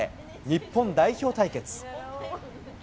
日本代表対決。